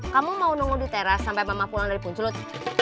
kamu mau nunggu di teras sampai mama pulang dari puncelut